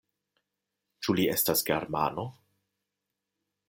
Ĉu li estas germano?